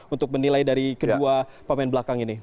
untuk menilai dari kedua pemain belakang ini